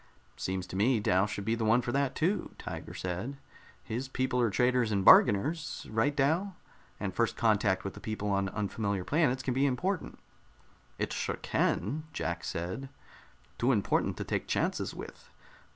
"Seems to me Dal would be the one for that, too," Tiger said. "His people are traders and bargainers; right, Dal? And first contact with the people on unfamiliar planets can be important." "It sure can," Jack said. "Too important to take chances with.